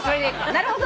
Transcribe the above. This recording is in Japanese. なるほど。